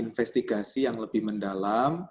investigasi yang lebih mendalam